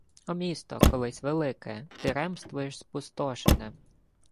О місто, колись велике! Ти ремствуєш, спустошене